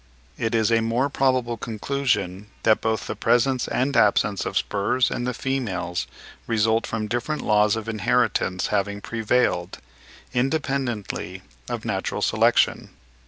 It is a more probable conclusion that both the presence and absence of spurs in the females result from different laws of inheritance having prevailed, independently of natural selection.